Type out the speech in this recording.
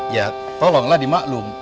ya tolonglah dimaklum